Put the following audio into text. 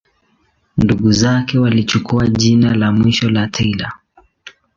Ndugu zake walichukua jina la mwisho la Taylor.